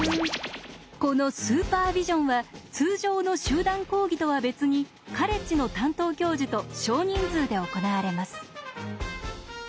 このスーパービジョンは通常の集団講義とは別にカレッジの担当教授と少人数で行われます。